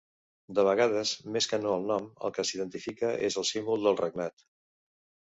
De vegades, més que no el nom, el que s'identifica és el símbol del regnat.